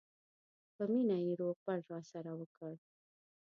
په مینه یې روغبړ راسره وکړ.